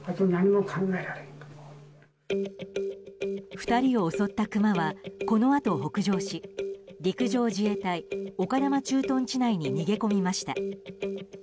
２人を襲ったクマはこのあと、北上し陸上自衛隊丘珠駐屯地内に逃げ込みました。